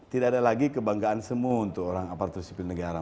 tidak ada lagi kebanggaan semua untuk orang aparatur sipil negara